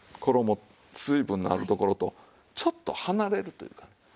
衣水分のあるところとちょっと離れるというかね。